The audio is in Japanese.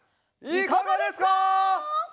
いかがですか？